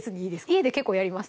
家で結構やります